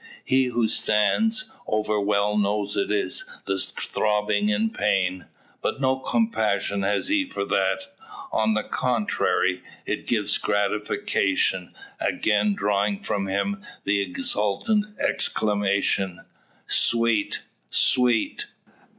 He who stands, over well knows it is throbbing in pain. But no compassion has he for that; on the contrary, it gives gratification; again drawing from him the exultant exclamation "Sweet sweet!"